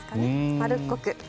丸っこくて。